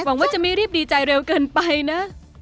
หวังว่าจะไม่รีบดีใจเร็วเกินไปนะ